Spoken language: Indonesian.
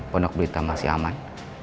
pondok berita masih aman